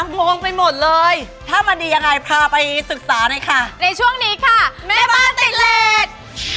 งงไปหมดเลยถ้ามันดียังไงพาไปศึกษาหน่อยค่ะในช่วงนี้ค่ะแม่บ้านไตเลส